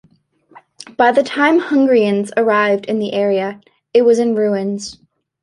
By the time Hungarians arrived in the area, it was in ruins.